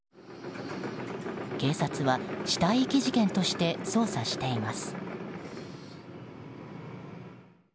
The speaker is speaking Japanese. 警察は死体遺棄事件として捜査しています。